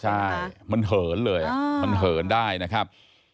ใช่มันเหินเลยมันเหินได้นะครับ